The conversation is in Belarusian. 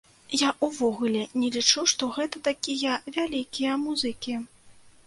Я ўвогуле не лічу, што гэта такія вялікія музыкі.